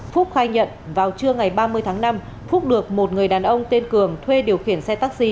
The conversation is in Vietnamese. phúc khai nhận vào trưa ngày ba mươi tháng năm phúc được một người đàn ông tên cường thuê điều khiển xe taxi